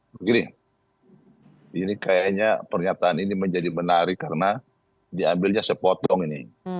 begini ini kayaknya pernyataan ini menjadi menarik karena diambilnya sepotong ini